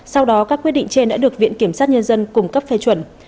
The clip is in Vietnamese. sau đó các quyết định trên đã được viện kiểm sát nhân dân cung cấp phê chuẩn